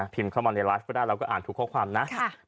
เข้ามาในไลฟ์ก็ได้เราก็อ่านทุกข้อความนะ